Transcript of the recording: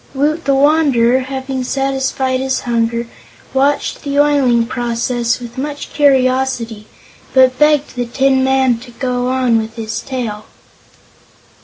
Woot the Wanderer, having satisfied his hunger, watched this oiling process with much curiosity, but begged the Tin Man to go on with his tale.